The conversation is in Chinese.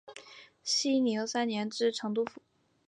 熙宁三年知成都府。